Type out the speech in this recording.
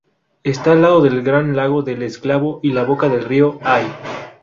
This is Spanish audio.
Está al lado del Gran Lago del Esclavo y la boca del río Hay.